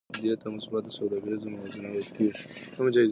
دې ته مثبته سوداګریزه موازنه ویل کېږي